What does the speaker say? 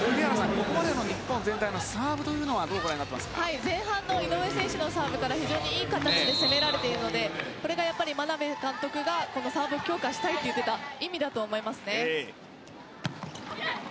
ここまでの日本全体のサーブは前半の井上選手のサーブから非常にいい形で攻められているのでこれが眞鍋監督がサーブを強化したいと言っていた意味だと思いますね。